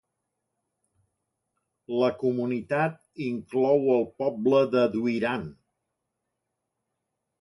La comunitat inclou el poble de Dwyran.